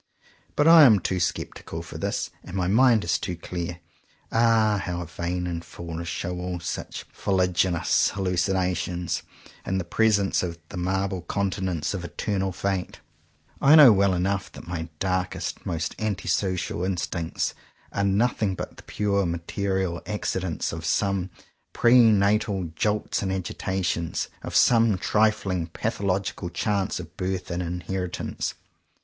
But I am too sceptical for this, and my mind is too clear. Ah! how vain and foolish show all such fuliginous hallucinations, in the presence of the marble countenance of Eternal Fate! 30 JOHN COWPER POWYS I know well enough that my darkest, most anti social instincts are nothing but the pure material accidents of some pre natal jolts and agitations, of some trifling pathological chances of birth and inherit ance.